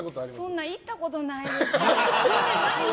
そんな行ったことないです。